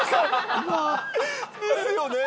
ですよね。